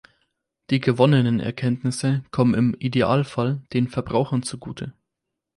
Die gewonnenen Erkenntnisse kommen im Idealfall den Verbrauchern zugute.